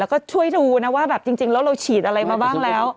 แล้วก็ช่วยดูนะว่าแบบจริงแล้วเราฉีดอะไรมาบ้างแล้ว